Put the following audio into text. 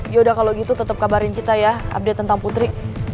yaudah kalau gitu tetap kabarin kita ya update tentang putri